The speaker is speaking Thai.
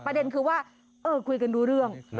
ประเด็นคือว่าคุยกันรู้เรื่อง